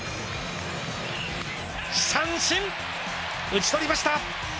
打ち取りました！